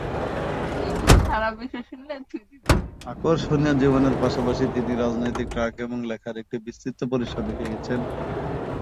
আকর্ষণীয় জীবনের পাশাপাশি, তিনি রাজনৈতিক ট্র্যাক এবং লেখার একটি বিস্তৃত পরিসর রেখে গেছেন।